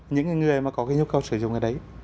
những người mà có cái nhu cầu sử dụng ở đấy